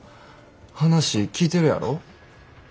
話聞いてるやろ？